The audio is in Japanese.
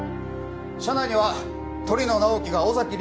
車内には鳥野直木が尾崎莉